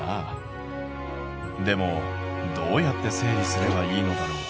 でもどうやって整理すればいいのだろう？